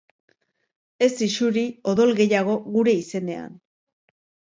Ez isuri odol gehiago gure izenean.